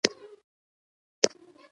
زه ګرځم. موږ ګرځو. تۀ ګرځې. تاسي ګرځئ.